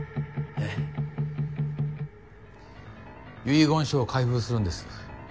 遺言書を開封するんです。